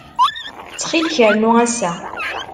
Ttxil-k, rnu ass-a.